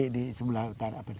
di sebelah utara